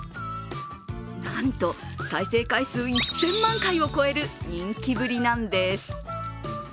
なんと再生回数１０００万回を超える人気ぶりなんです。